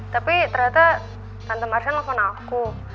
tapi ternyata tante marsha ngelepon aku